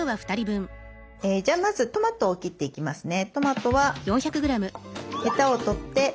じゃあまずトマトを切っていきますね。